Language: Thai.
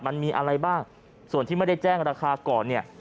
มันมีอะไรบ้างส่วนที่ไม่ได้แจ้งราคาก่อนเนี่ย